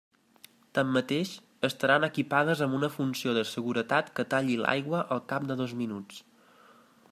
Tanmateix, estaran equipades amb una funció de seguretat que talli l'aigua al cap de dos minuts.